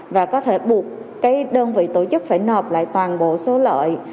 và có thể buộc cái đơn vị tổ chức phải nộp lại toàn bộ số lợi